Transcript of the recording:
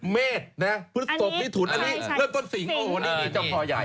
เมธพฤษฎกมิถุนเริ่มต้นสิงศ์โอ้โหนี่มีจังพอใหญ่